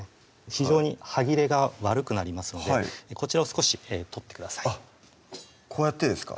非常に歯切れが悪くなりますのでこちらを少し取ってくださいあっこうやってですか？